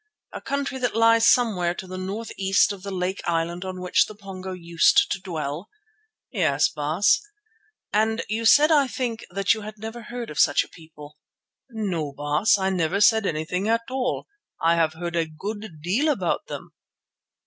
A country that lies somewhere to the north east of the lake island on which the Pongo used to dwell?" "Yes, Baas." "And you said, I think, that you had never heard of such a people." "No, Baas, I never said anything at all. I have heard a good deal about them."